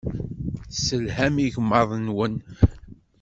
Tesselham igmaḍ-nwen.